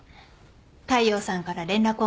大陽さんから連絡をもらって。